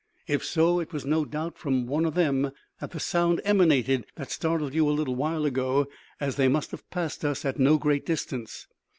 If so, it was no doubt from one of them that the sound emanated that startled you a little while ago, as they must have passed us at no great distance."